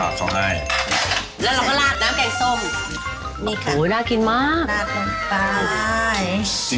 แล้วเราก็ลากน้ำแกงส้มนี่ค่ะอุ้ยน่ากินมากน่ากลับไป